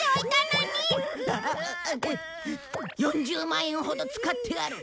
４０万円ほど使ってある。